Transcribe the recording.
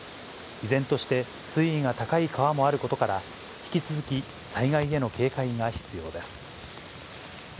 依然として水位が高い川もあることから、引き続き、災害への警戒が必要です。